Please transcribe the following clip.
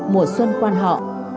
mùa xuân quan họ